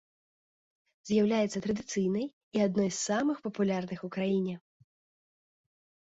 З'яўляецца традыцыйнай і адной з самых папулярных у краіне.